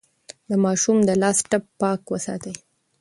د ماشوم د لاس ټپ پاک وساتئ.